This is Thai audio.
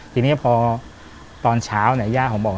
ทีนี้พอตอนเช้าเนี่ยย่าผมบอก